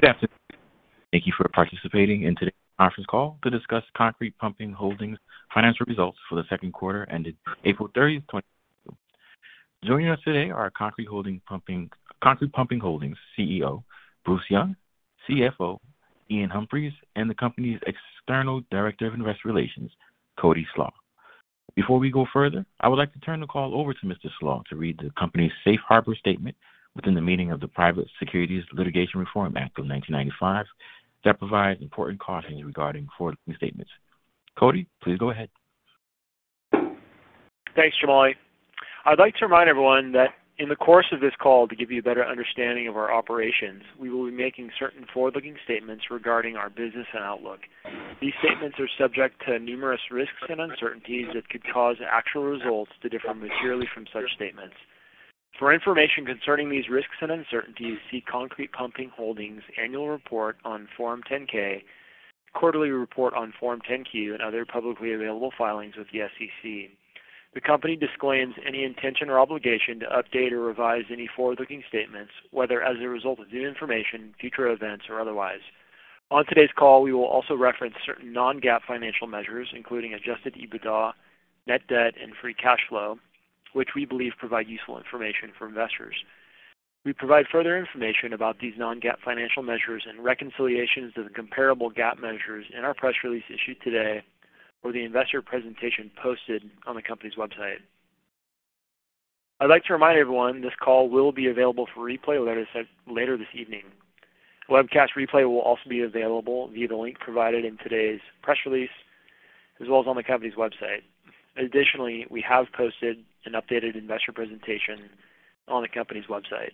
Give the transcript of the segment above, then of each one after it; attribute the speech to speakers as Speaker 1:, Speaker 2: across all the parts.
Speaker 1: Good afternoon. Thank you for participating in today's conference call to discuss Concrete Pumping Holdings financial results for the second quarter ended April 30, 2022. Joining us today are Concrete Pumping Holdings CEO, Bruce Young, CFO, Iain Humphries, and the company's External Director of Investor Relations, Cody Slach. Before we go further, I would like to turn the call over to Mr. Slach to read the company's Safe Harbor statement within the meaning of the Private Securities Litigation Reform Act of 1995 that provides important cautions regarding forward-looking statements. Cody, please go ahead.
Speaker 2: Thanks, Jamal. I'd like to remind everyone that in the course of this call, to give you a better understanding of our operations, we will be making certain forward-looking statements regarding our business and outlook. These statements are subject to numerous risks and uncertainties that could cause actual results to differ materially from such statements. For information concerning these risks and uncertainties, see Concrete Pumping Holdings annual report on Form 10-K, quarterly report on Form 10-Q, and other publicly available filings with the SEC. The company disclaims any intention or obligation to update or revise any forward-looking statements, whether as a result of new information, future events, or otherwise. On today's call, we will also reference certain non-GAAP financial measures, including Adjusted EBITDA, Net Debt, and Free Cash Flow, which we believe provide useful information for investors. We provide further information about these non-GAAP financial measures and reconciliations to the comparable GAAP measures in our press release issued today or the investor presentation posted on the company's website. I'd like to remind everyone this call will be available for replay later this evening. Webcast replay will also be available via the link provided in today's press release, as well as on the company's website. Additionally, we have posted an updated investor presentation on the company's website.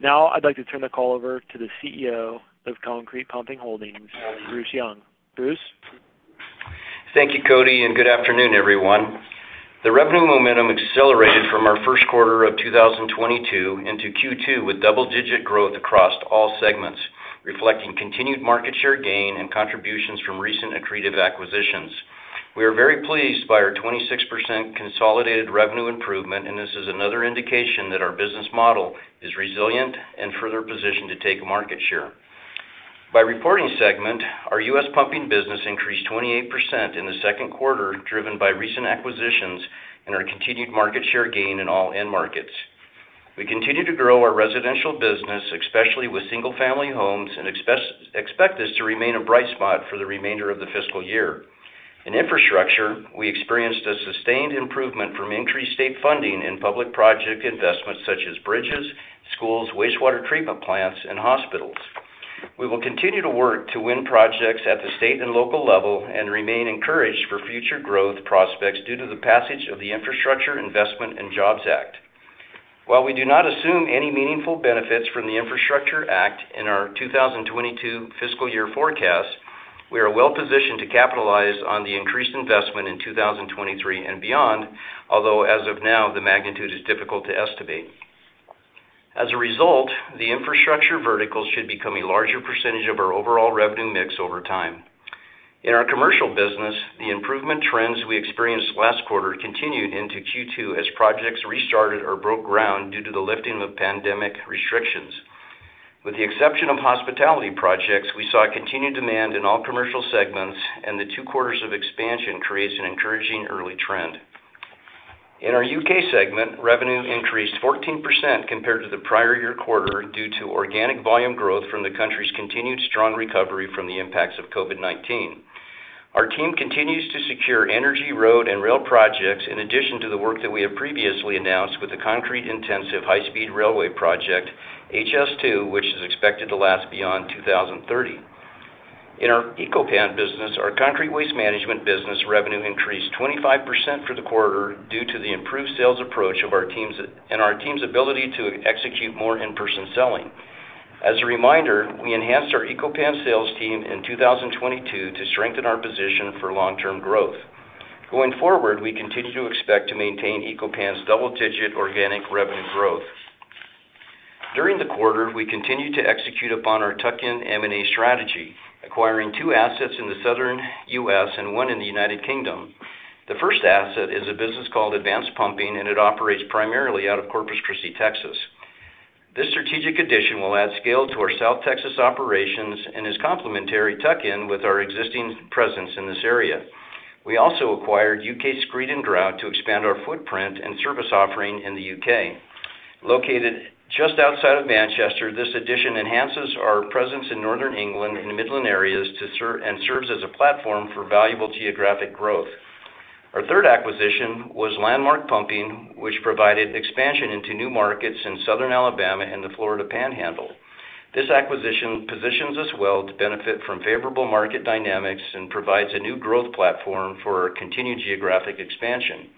Speaker 2: Now, I'd like to turn the call over to the CEO of Concrete Pumping Holdings, Bruce Young. Bruce?
Speaker 3: Thank you, Cody, and good afternoon, everyone. The revenue momentum accelerated from our first quarter of 2022 into Q2 with double-digit growth across all segments, reflecting continued market share gain and contributions from recent accretive acquisitions. We are very pleased by our 26% consolidated revenue improvement, and this is another indication that our business model is resilient and further positioned to take market share. By reporting segment, our U.S. pumping business increased 28% in the second quarter, driven by recent acquisitions and our continued market share gain in all end markets. We continue to grow our residential business, especially with single-family homes, and expect this to remain a bright spot for the remainder of the fiscal year. In infrastructure, we experienced a sustained improvement from increased state funding in public project investments such as bridges, schools, wastewater treatment plants, and hospitals. We will continue to work to win projects at the state and local level and remain encouraged for future growth prospects due to the passage of the Infrastructure Investment and Jobs Act. While we do not assume any meaningful benefits from the Infrastructure Act in our 2022 fiscal year forecast, we are well positioned to capitalize on the increased investment in 2023 and beyond, although as of now, the magnitude is difficult to estimate. As a result, the infrastructure vertical should become a larger percentage of our overall revenue mix over time. In our commercial business, the improvement trends we experienced last quarter continued into Q2 as projects restarted or broke ground due to the lifting of pandemic restrictions. With the exception of hospitality projects, we saw a continued demand in all commercial segments, and the two quarters of expansion creates an encouraging early trend. In our UK segment, revenue increased 14% compared to the prior year quarter due to organic volume growth from the country's continued strong recovery from the impacts of COVID-19. Our team continues to secure energy, road, and rail projects in addition to the work that we have previously announced with the concrete-intensive high-speed railway project, HS2, which is expected to last beyond 2030. In our Eco-Pan business, our concrete waste management business revenue increased 25% for the quarter due to the improved sales approach of our teams, and our team's ability to execute more in-person selling. As a reminder, we enhanced our Eco-Pan sales team in 2022 to strengthen our position for long-term growth. Going forward, we continue to expect to maintain Eco-Pan's double-digit organic revenue growth. During the quarter, we continued to execute upon our tuck-in M&A strategy, acquiring two assets in the Southern U.S. and one in the United Kingdom. The first asset is a business called Advanced Pumping, and it operates primarily out of Corpus Christi, Texas. This strategic addition will add scale to our South Texas operations and is complementary tuck-in with our existing presence in this area. We also acquired U.K. Screed & Grout to expand our footprint and service offering in the U.K. located just outside of Manchester, this addition enhances our presence in Northern England and the Midlands and serves as a platform for valuable geographic growth. Our third acquisition was Landmark Pumping, which provided expansion into new markets in Southern Alabama and the Florida Panhandle. This acquisition positions us well to benefit from favorable market dynamics and provides a new growth platform for our continued geographic expansion.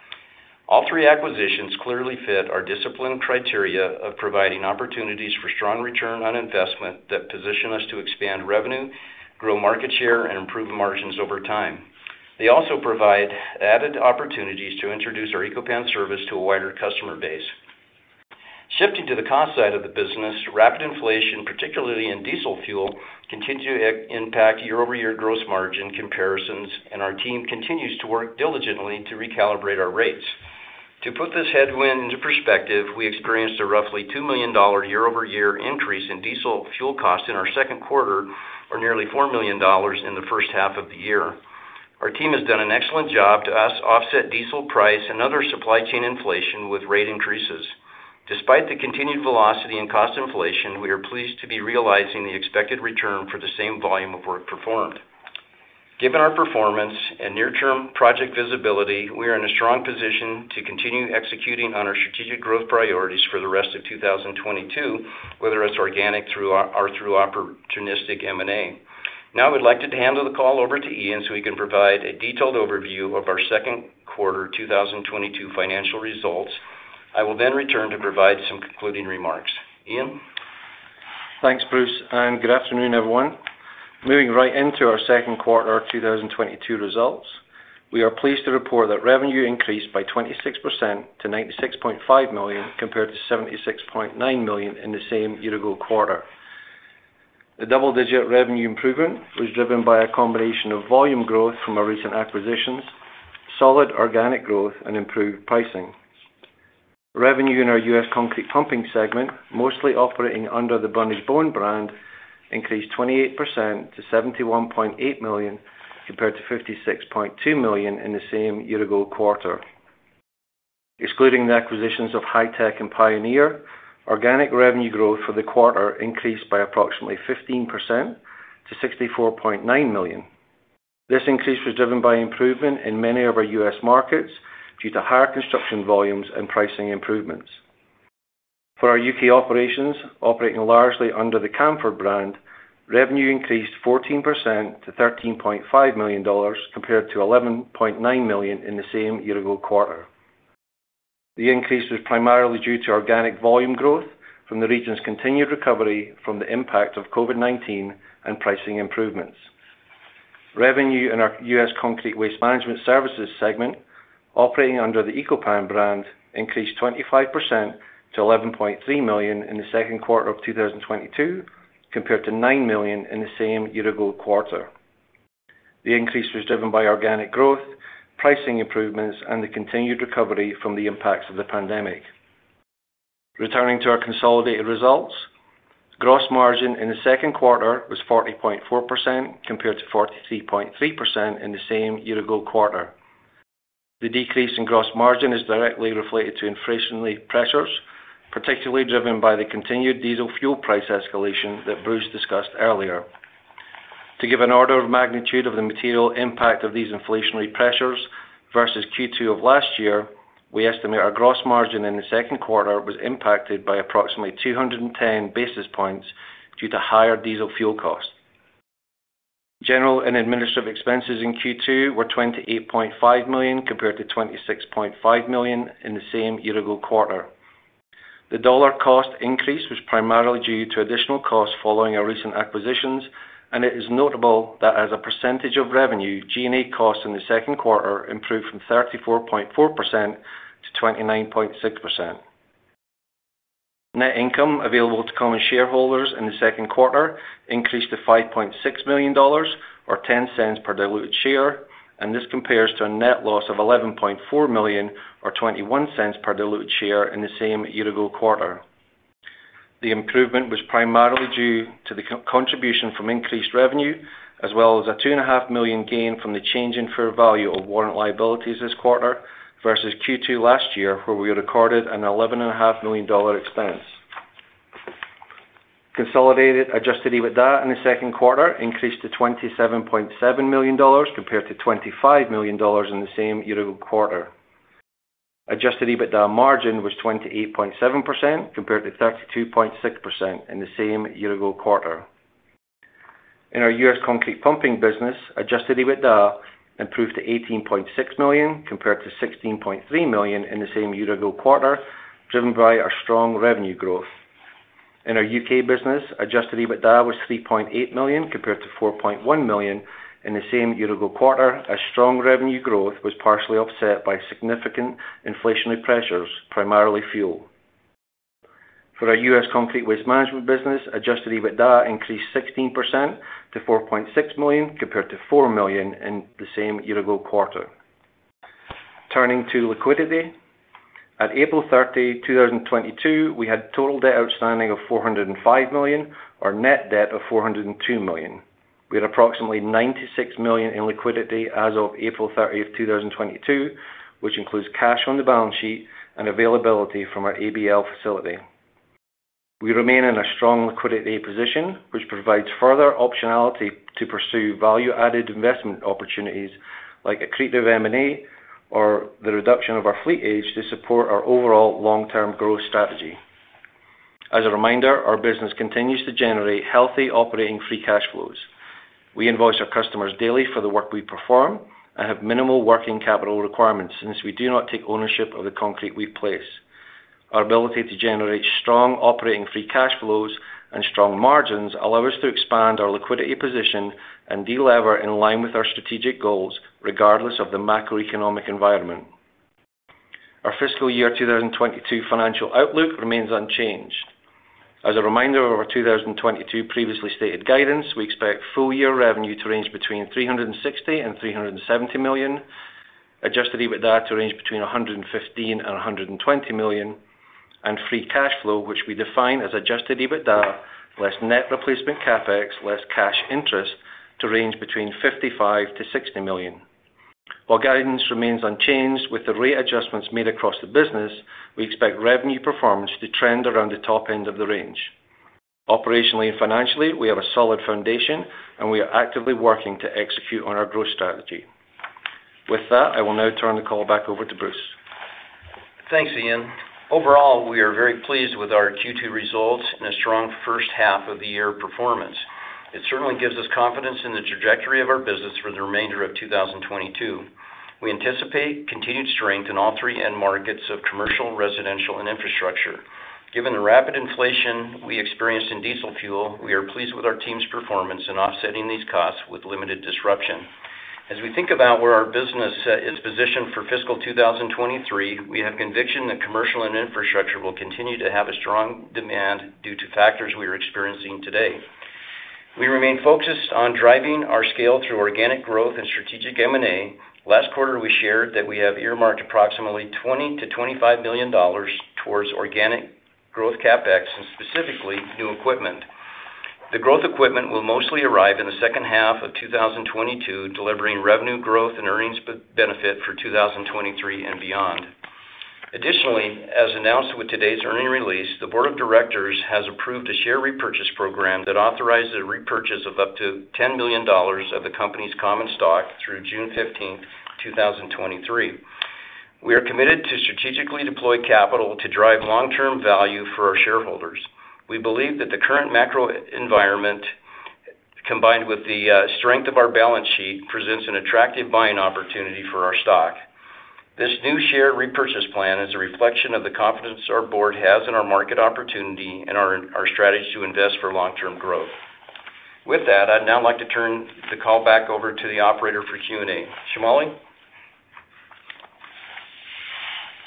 Speaker 3: All three acquisitions clearly fit our disciplined criteria of providing opportunities for strong return on investment that position us to expand revenue, grow market share, and improve margins over time. They also provide added opportunities to introduce our Eco-Pan service to a wider customer base. Shifting to the cost side of the business, rapid inflation, particularly in diesel fuel, continues to impact year-over-year gross margin comparisons, and our team continues to work diligently to recalibrate our rates. To put this headwind into perspective, we experienced a roughly $2 million year-over-year increase in diesel fuel costs in our second quarter, or nearly $4 million in the first half of the year. Our team has done an excellent job to offset diesel price and other supply chain inflation with rate increases. Despite the continued volatility and cost inflation, we are pleased to be realizing the expected return for the same volume of work performed. Given our performance and near-term project visibility, we are in a strong position to continue executing on our strategic growth priorities for the rest of 2022, whether it's organic through our or through opportunistic M&A. Now, I would like to hand the call over to Iain so he can provide a detailed overview of our second quarter 2022 financial results. I will then return to provide some concluding remarks. Iain?
Speaker 4: Thanks, Bruce, and good afternoon, everyone. Moving right into our second quarter 2022 results. We are pleased to report that revenue increased by 26% to $96.5 million, compared to $76.9 million in the same year-ago quarter. The double-digit revenue improvement was driven by a combination of volume growth from our recent acquisitions, solid organic growth, and improved pricing. Revenue in our U.S. concrete pumping segment, mostly operating under the Brundage-Bone brand, increased 28% to $71.8 million compared to $56.2 million in the same year-ago quarter. Excluding the acquisitions of Hi-Tech and Pioneer, organic revenue growth for the quarter increased by approximately 15% to $64.9 million. This increase was driven by improvement in many of our U.S. markets due to higher construction volumes and pricing improvements. For our UK operations, operating largely under the Camfaud brand, revenue increased 14% to $13.5 million, compared to $11.9 million in the same year-ago quarter. The increase was primarily due to organic volume growth from the region's continued recovery from the impact of COVID-19 and pricing improvements. Revenue in our U.S. Concrete Waste Management Services segment, operating under the Eco-Pan brand, increased 25% to $11.3 million in the second quarter of 2022, compared to $9 million in the same year-ago quarter. The increase was driven by organic growth, pricing improvements, and the continued recovery from the impacts of the pandemic. Returning to our consolidated results, gross margin in the second quarter was 40.4% compared to 43.3% in the same year-ago quarter. The decrease in gross margin is directly related to inflationary pressures, particularly driven by the continued diesel fuel price escalation that Bruce discussed earlier. To give an order of magnitude of the material impact of these inflationary pressures versus Q2 of last year, we estimate our gross margin in the second quarter was impacted by approximately 210 basis points due to higher diesel fuel costs. General and administrative expenses in Q2 were $28.5 million, compared to $26.5 million in the same year-ago quarter. The dollar cost increase was primarily due to additional costs following our recent acquisitions, and it is notable that as a percentage of revenue, G&A costs in the second quarter improved from 34.4% to 29.6%. Net income available to common shareholders in the second quarter increased to $5.6 million or $0.10 per diluted share, and this compares to a net loss of $11.4 million or $0.21 per diluted share in the same year-ago quarter. The improvement was primarily due to the co-contribution from increased revenue as well as a $2.5 million gain from the change in fair value of warrant liabilities this quarter versus Q2 last year, where we recorded an $11.5 million dollar expense. Consolidated Adjusted EBITDA in the second quarter increased to $27.7 million compared to $25 million in the same year-ago quarter. Adjusted EBITDA margin was 28.7% compared to 32.6% in the same year-ago quarter. In our U.S. concrete pumping business, Adjusted EBITDA improved to $18.6 million compared to $16.3 million in the same year-ago quarter, driven by our strong revenue growth. In our U.K. business, Adjusted EBITDA was $3.8 million compared to $4.1 million in the same year-ago quarter as strong revenue growth was partially offset by significant inflationary pressures, primarily fuel. For our U.S. concrete waste management business, Adjusted EBITDA increased 16% to $4.6 million compared to $4 million in the same year-ago quarter. Turning to liquidity, at April 30, 2022, we had total debt outstanding of $405 million or net debt of $402 million. We had approximately $96 million in liquidity as of April 30, 2022, which includes cash on the balance sheet and availability from our ABL facility. We remain in a strong liquidity position, which provides further optionality to pursue value-added investment opportunities like accretive M&A or the reduction of our fleet age to support our overall long-term growth strategy. As a reminder, our business continues to generate healthy operating free cash flows. We invoice our customers daily for the work we perform and have minimal working capital requirements since we do not take ownership of the concrete we place. Our ability to generate strong operating free cash flows and strong margins allow us to expand our liquidity position and delever in line with our strategic goals regardless of the macroeconomic environment. Our fiscal year 2022 financial outlook remains unchanged. As a reminder of our 2022 previously stated guidance, we expect full year revenue to range between $360 million-$370 million, adjusted EBITDA to range between $115 million-$120 million, and free cash flow, which we define as adjusted EBITDA less net replacement CapEx less cash interest to range between $55 million-$60 million. While guidance remains unchanged with the rate adjustments made across the business, we expect revenue performance to trend around the top end of the range. Operationally and financially, we have a solid foundation, and we are actively working to execute on our growth strategy. With that, I will now turn the call back over to Bruce.
Speaker 3: Thanks, Iain. Overall, we are very pleased with our Q2 results and a strong first half of the year performance. It certainly gives us confidence in the trajectory of our business for the remainder of 2022. We anticipate continued strength in all three end markets of commercial, residential, and infrastructure. Given the rapid inflation we experienced in diesel fuel, we are pleased with our team's performance in offsetting these costs with limited disruption. As we think about where our business is positioned for fiscal 2023, we have conviction that commercial and infrastructure will continue to have a strong demand due to factors we are experiencing today. We remain focused on driving our scale through organic growth and strategic M&A. Last quarter, we shared that we have earmarked approximately $20 million-$25 million towards organic growth CapEx and specifically new equipment. The growth equipment will mostly arrive in the second half of 2022, delivering revenue growth and earnings benefit for 2023 and beyond. Additionally, as announced with today's earnings release, the board of directors has approved a share repurchase program that authorizes a repurchase of up to $10 million of the company's common stock through June fifteenth, 2023. We are committed to strategically deploy capital to drive long-term value for our shareholders. We believe that the current macro environment, combined with the strength of our balance sheet, presents an attractive buying opportunity for our stock. This new share repurchase plan is a reflection of the confidence our board has in our market opportunity and our strategy to invest for long-term growth. With that, I'd now like to turn the call back over to the operator for Q&A. Shamali?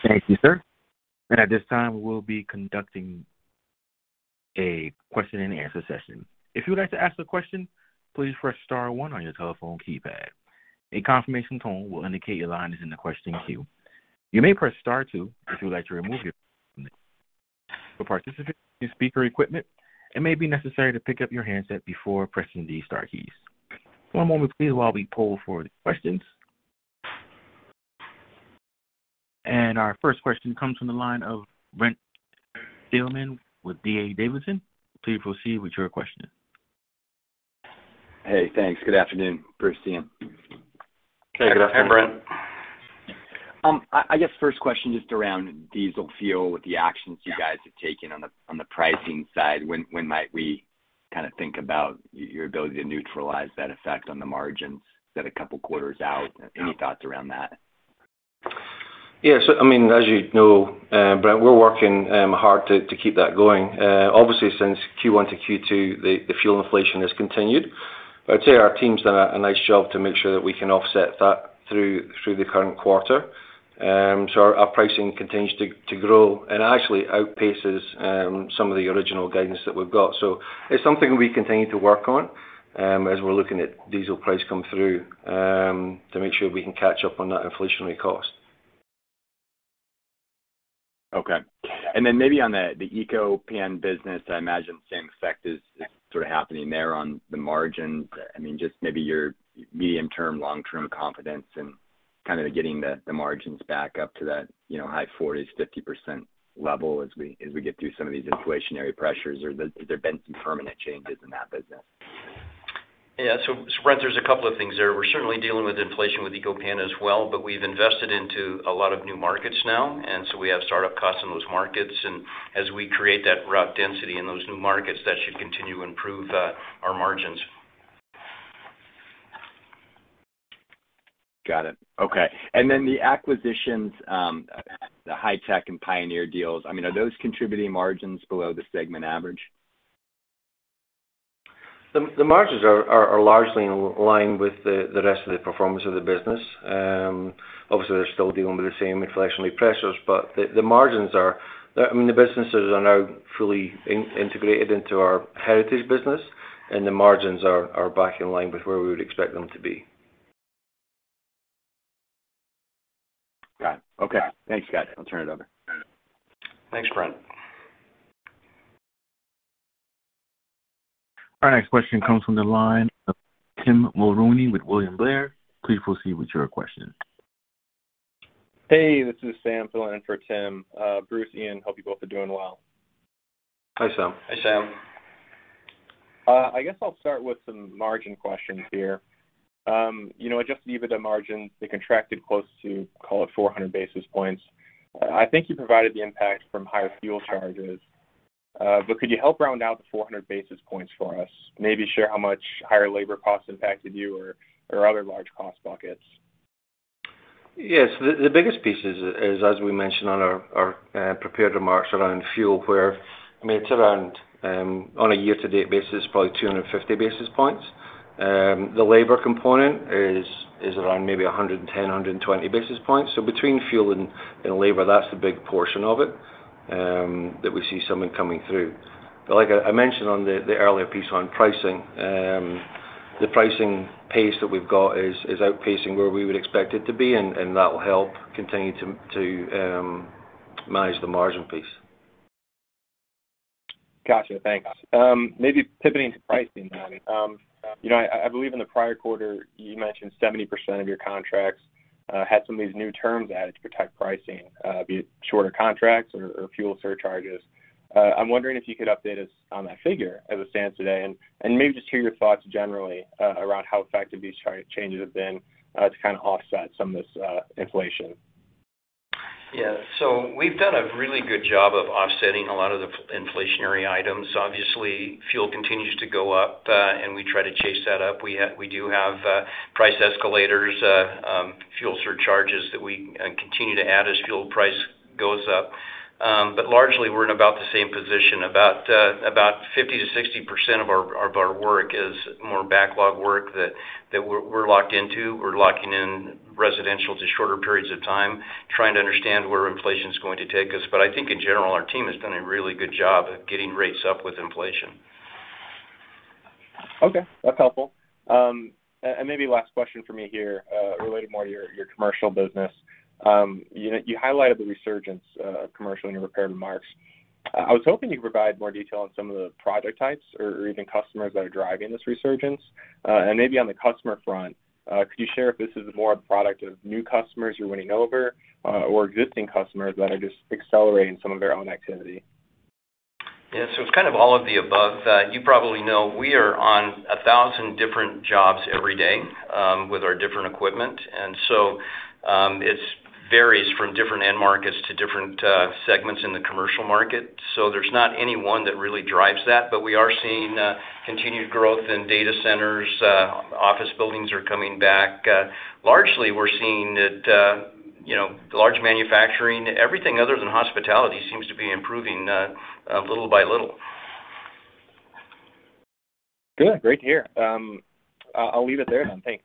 Speaker 1: Thank you, sir. At this time, we'll be conducting a question and answer session. If you would like to ask a question, please press star one on your telephone keypad. A confirmation tone will indicate your line is in the question queue. You may press star two if you would like to remove your question. For participants with speaker equipment, it may be necessary to pick up your handset before pressing the star keys. One moment please while we poll for any questions. Our first question comes from the line of Brent Thielman with D.A. Davidson. Please proceed with your question.
Speaker 5: Hey, thanks. Good afternoon, Bruce, Iain.
Speaker 3: Hey, good afternoon.
Speaker 4: Hey, Brent.
Speaker 5: I guess first question just around diesel fuel with the actions you guys have taken on the pricing side. When might we kinda think about your ability to neutralize that effect on the margins that a couple quarters out? Any thoughts around that?
Speaker 4: Yeah. I mean, as you know, Brent, we're working hard to keep that going. Obviously since Q1 to Q2, the fuel inflation has continued. I'd say our team's done a nice job to make sure that we can offset that through the current quarter. Our pricing continues to grow and actually outpaces some of the original guidance that we've got. It's something we continue to work on, as we're looking at diesel price come through, to make sure we can catch up on that inflationary cost.
Speaker 5: Okay. Maybe on the Eco-Pan business, I imagine same effect is sort of happening there on the margins. I mean, just maybe your medium-term, long-term confidence in kind of getting the margins back up to that, you know, high 40s, 50% level as we get through some of these inflationary pressures or has there been some permanent changes in that business?
Speaker 3: Yeah. Brent, there's a couple of things there. We're certainly dealing with inflation with Eco-Pan as well, but we've invested into a lot of new markets now, and so we have startup costs in those markets. As we create that route density in those new markets, that should continue to improve our margins.
Speaker 5: Got it. Okay. The acquisitions, the Hy-Tech and Pioneer deals, I mean, are those contributing margins below the segment average?
Speaker 4: The margins are largely in line with the rest of the performance of the business. Obviously, they're still dealing with the same inflationary pressures, but the margins are. I mean, the businesses are now fully integrated into our heritage business, and the margins are back in line with where we would expect them to be.
Speaker 5: Got it. Okay. Thanks, guys. I'll turn it over.
Speaker 3: Thanks, Brent.
Speaker 1: Our next question comes from the line of Tim Mulrooney with William Blair. Please proceed with your question.
Speaker 6: Hey, this is Sam filling in for Tim. Bruce, Iain, hope you both are doing well.
Speaker 4: Hi, Sam.
Speaker 3: Hi, Sam.
Speaker 6: I guess I'll start with some margin questions here. You know, Adjusted EBITDA margins, they contracted close to, call it 400 basis points. I think you provided the impact from higher fuel charges. Could you help round out the 400 basis points for us? Maybe share how much higher labor costs impacted you or other large cost buckets.
Speaker 4: Yes. The biggest piece is, as we mentioned on our prepared remarks around fuel, where, I mean, it's around, on a year-to-date basis, probably 250 basis points. The labor component is around maybe 110-120 basis points. Between fuel and labor, that's the big portion of it, that we see something coming through. Like I mentioned on the earlier piece on pricing, the pricing pace that we've got is outpacing where we would expect it to be, and that will help continue to manage the margin piece.
Speaker 6: Gotcha. Thanks. Maybe pivoting to pricing then. You know, I believe in the prior quarter, you mentioned 70% of your contracts had some of these new terms added to protect pricing, be it shorter contracts or fuel surcharges. I'm wondering if you could update us on that figure as it stands today, and maybe just hear your thoughts generally around how effective these changes have been to kinda offset some of this inflation.
Speaker 3: Yeah. We've done a really good job of offsetting a lot of the inflationary items. Obviously, fuel continues to go up, and we try to chase that up. We do have price escalators, fuel surcharges that we continue to add as fuel price goes up. Largely, we're in about the same position. About 50%-60% of our work is more backlog work that we're locked into. We're locking in residential to shorter periods of time, trying to understand where inflation's going to take us. I think in general, our team has done a really good job of getting rates up with inflation.
Speaker 6: Okay. That's helpful. And maybe last question for me here, related more to your commercial business. You know, you highlighted the resurgence of commercial in your prepared remarks. I was hoping you could provide more detail on some of the project types or even customers that are driving this resurgence. Maybe on the customer front, could you share if this is more a product of new customers you're winning over, or existing customers that are just accelerating some of their own activity?
Speaker 3: Yeah. It's kind of all of the above. You probably know we are on 1,000 different jobs every day with our different equipment. It varies from different end markets to different segments in the commercial market. There's not any one that really drives that, but we are seeing continued growth in data centers. Office buildings are coming back. Largely, we're seeing that you know, large manufacturing, everything other than hospitality seems to be improving little by little.
Speaker 6: Good. Great to hear. I'll leave it there then. Thanks.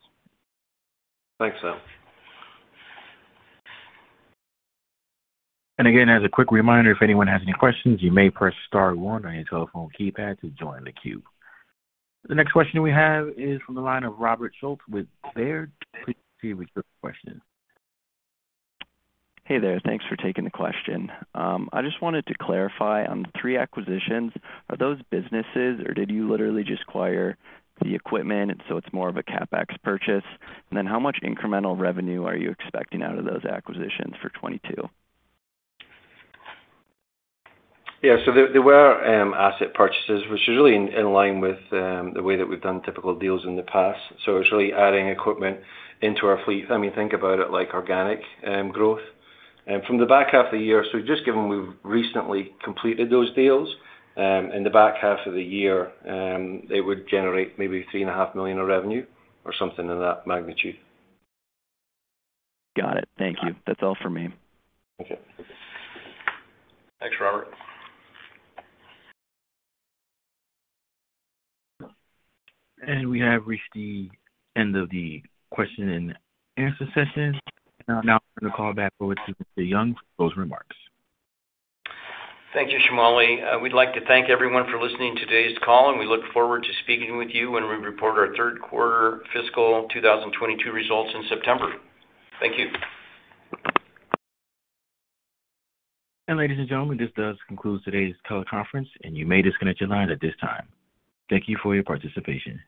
Speaker 4: Thanks, Sam.
Speaker 1: Again, as a quick reminder, if anyone has any questions, you may press star one on your telephone keypad to join the queue. The next question we have is from the line of Robert Schultz with Baird. Please proceed with your question.
Speaker 7: Hey there. Thanks for taking the question. I just wanted to clarify on the three acquisitions, are those businesses or did you literally just acquire the equipment and so it's more of a CapEx purchase? How much incremental revenue are you expecting out of those acquisitions for 2022?
Speaker 4: Yeah. They were asset purchases, which is really in line with the way that we've done typical deals in the past. It's really adding equipment into our fleet. I mean, think about it like organic growth. From the back half of the year, just given we've recently completed those deals, in the back half of the year, it would generate maybe $3.5 million of revenue or something in that magnitude.
Speaker 7: Got it. Thank you. That's all for me.
Speaker 4: Okay. Thanks, Robert.
Speaker 1: We have reached the end of the question and answer session. Now I'll turn the call back over to Mr. Young for closing remarks.
Speaker 3: Thank you, Shamali. We'd like to thank everyone for listening to today's call, and we look forward to speaking with you when we report our third quarter fiscal 2022 results in September. Thank you.
Speaker 1: Ladies and gentlemen, this does conclude today's teleconference, and you may disconnect your line at this time. Thank you for your participation.